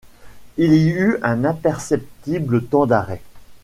Il y eut un imperceptible temps d’arrêt.